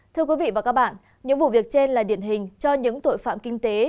thưa quý vị và các bạn những vụ việc trên là điển hình cho những tội phạm kinh tế